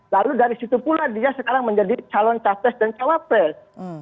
lalu dari situ pula dia sekarang menjadi calon capres dan cawapres